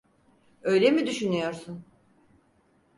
Öyle mi düşünüyorsun?